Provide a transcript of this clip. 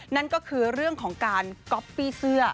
นั่นก็คือเรื่องของการก๊อฟฟี่เสื้อ